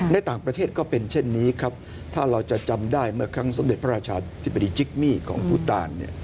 ในต่างประเทศก็เป็นเช่นนี้ครับถ้าเราจะจำได้เมื่อครั้งสมเด็จพระราชาธิบดีจิกมี่ของภูตาล